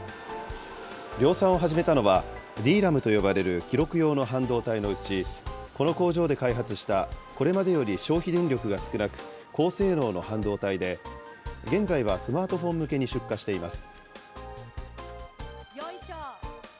量産を始めたのは、ＤＲＡＭと呼ばれる記録用の半導体のうち、この工場で開発したこれまでより消費電力が少なく、高性能の半導体で、現在はスマートフォン向けに出荷しています。